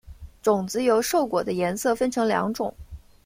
种子由瘦果的颜色分成两种。